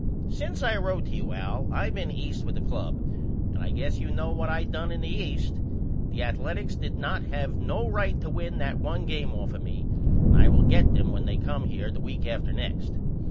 Since I wrote to you Al I been East with the club and I guess you know what I done in the East. The Athaletics did not have no right to win that 1 game off of me and I will get them when they come here the week after next.